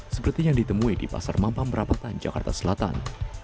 seperti yang ditemui di pasar mampang perapatan jakarta selatan